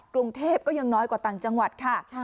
กรุงเทพก็ยังน้อยกว่าต่างจังหวัดค่ะ